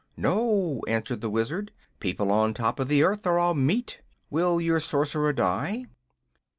"No," answered the Wizard. "People on top of the earth are all meat. Will your Sorcerer die?"